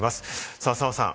さあ、澤さん。